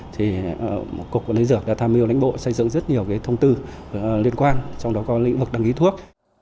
thì cục quản lý dược đã tham mưu lãnh bộ xây dựng rất nhiều thông tư liên quan trong đó có lĩnh vực đăng ký thuốc